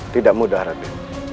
tidak mudah raden